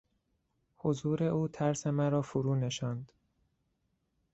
حضور او ترس مرا فرو نشاند.